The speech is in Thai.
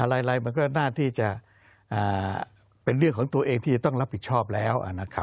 อะไรมันก็น่าที่จะเป็นเรื่องของตัวเองที่จะต้องรับผิดชอบแล้วนะครับ